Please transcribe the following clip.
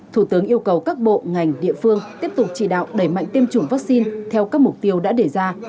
thủ tướng yêu cầu các bộ ngành địa phương tiếp tục chỉ đạo đẩy mạnh tiêm chủng vaccine theo các mục tiêu đã đề ra